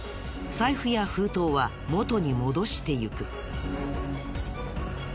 財布や封筒は元に戻していく。